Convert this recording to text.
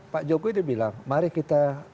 pak jokowi itu bilang mari kita